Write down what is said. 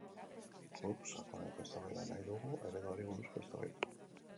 Guk sakoneko eztabaida nahi dugu, ereduari buruzko eztabaida.